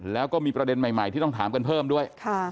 แล้วก็มีประเด็นใหม่ที่ต้องถามกันเพิ่มด้วย